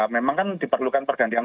memang kan diperlukan pergantian